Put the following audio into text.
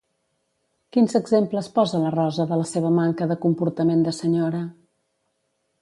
Quins exemples posa la Rosa de la seva manca de comportament de senyora?